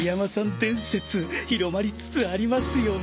伝説広まりつつありますよね。